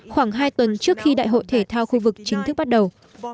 khoảng hai tuần trước khi đại hội thể thao khu vực chính thức bắt đầu